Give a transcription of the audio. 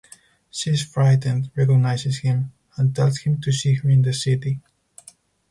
She is frightened, recognizes him, and tells him to see her in the city.